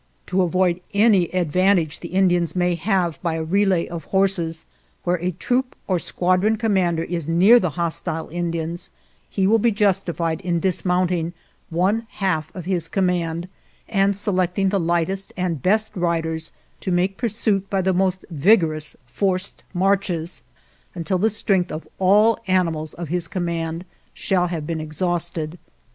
<< To avoid any advantage the Indians 149 GERONIMO * may have by a relay of horses, where a troop or squadron commander is near the hostile Indians he will be justified in dis mounting one half of his command and selecting the lightest and best riders to make pursuit by the most vigorous forced marches until the strength of all the animals of his command shall have been exhausted."